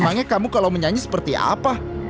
emangnya kamu kalau menyanyi seperti apa